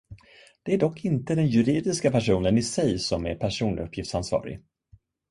Det är dock inte den juridiska personen i sig som är personuppgiftsansvarig.